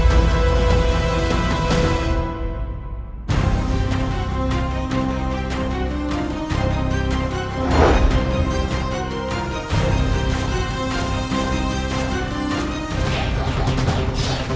untuk menukar dia